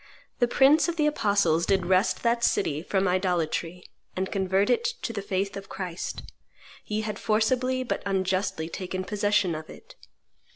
The prince of the apostles did wrest that city from idolatry, and convert it to the faith of Christ. Ye had forcibly but unjustly taken possession of it.